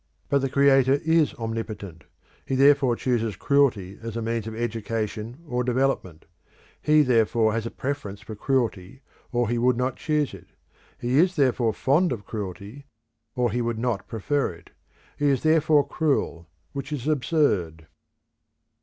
But the Creator is omnipotent; he therefore chooses cruelty as a means of education or development; he therefore has a preference for cruelty or he would not choose it; he is therefore fond of cruelty or he would not prefer it; he is therefore cruel, which is absurd.